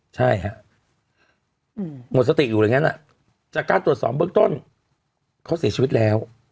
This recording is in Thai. ใช่ฮะหมดสติอยู่อย่างนั้นจากการตรวจสอบเบื้องต้นเขาเสียชีวิตแล้ว